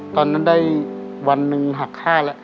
ตอนนั้นได้วันหนึ่งหักค่าแล้ว